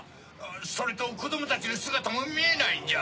それと子供たちの姿も見えないんじゃ。